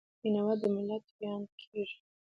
استاد بینوا د ملت ویاند بلل کېږي.